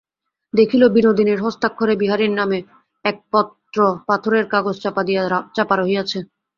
দেখিল, বিনোদিনীর হস্তাক্ষরে বিহারীর নামে এক পত্র পাথরের কাগজচাপা দিয়া চাপা রহিয়াছে।